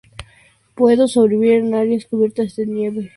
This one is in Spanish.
Puede sobrevivir en áreas cubiertas de nieve.